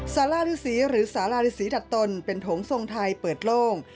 ศาลาฤาษีหรือศาลาฤาษีดัตนเป็นโถงทรงไทยเปิดโล่ง